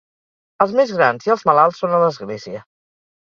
Els més grans i els malalts són a l'església.